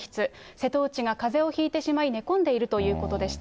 瀬戸内がかぜをひいてしまい、寝込んでいるということでした。